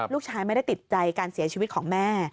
ลูกชายไม่ได้ติดใจการเสียชีวิตของแม่